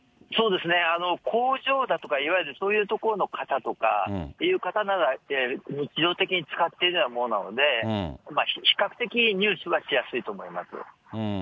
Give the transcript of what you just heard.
工場だとか、いわゆるそういうところの方とかいう方なら日常的に使っているようなものなので、比較的入手はしやすいと思います。